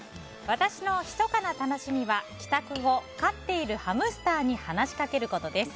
私のひそかな楽しみは帰宅後、飼っているハムスターに話しかけることです。